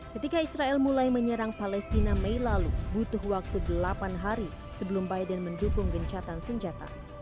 ketika israel mulai menyerang palestina mei lalu butuh waktu delapan hari sebelum biden mendukung gencatan senjata